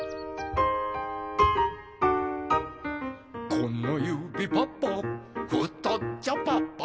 「このゆびパパふとっちょパパ」